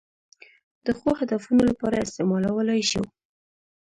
د ښو هدفونو لپاره استعمالولای شو.